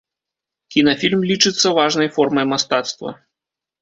Кінафільм лічыцца важнай формай мастацтва.